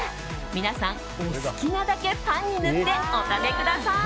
皆さんお好きなだけパンに塗ってお食べください。